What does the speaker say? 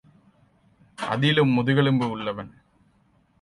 அதிலும் முதுகெலும்பு உள்ளவன்.